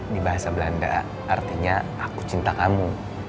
di bahasa belanda artinya aku cinta kamu